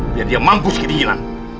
biar dia mampu sedih lang